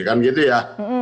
kan gitu ya